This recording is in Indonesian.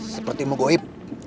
seperti mau goib